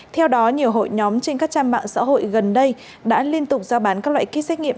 theo đó nhiều hội nhóm trên các trang mạng xã hội gần đây đã liên tục giao bán các loại ký xét nghiệm